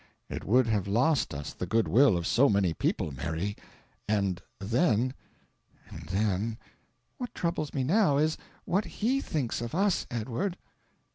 "It would have lost us the good will of so many people, Mary; and then and then " "What troubles me now is, what HE thinks of us, Edward."